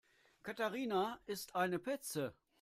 Katharina ist eine Petze.